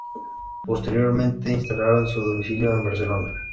Posteriormente instalaron su domicilio en Barcelona.